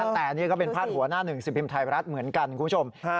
แต่นี่ก็เป็นพาดหัวหน้าหนึ่งสิบพิมพ์ไทยรัฐเหมือนกันคุณผู้ชม